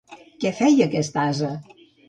Què feia aquest ase?